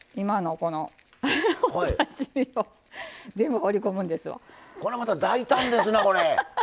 これまた大胆ですなこれ！